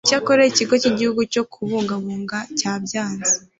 icyakora ikigo cy igihugu cyo kubungabunga cyabyanze